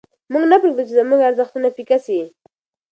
موږ نه پرېږدو چې زموږ ارزښتونه پیکه سي.